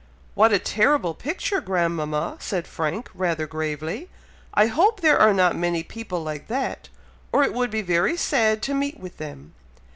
"What a terrible picture, grandmama!" said Frank, rather gravely. "I hope there are not many people like that, or it would be very sad to meet with them.